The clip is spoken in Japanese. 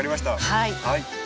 はい。